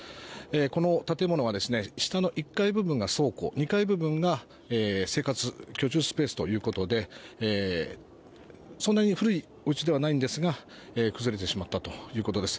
この建物は、下の１階部分が倉庫２階部分が生活居住スペースということでそんなに古いおうちではないんですが崩れてしまったということです。